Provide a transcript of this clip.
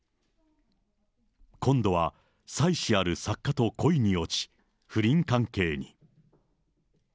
今度は妻子ある作家と恋に落ち、不倫関係に。